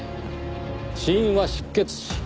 死因は失血死。